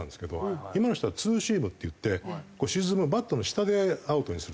今の人はツーシームっていって沈むバットの下でアウトにする。